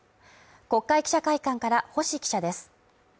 国会記者会館から星記者です。